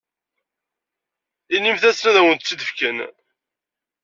Inimt-asen ad awent-tt-id-fken.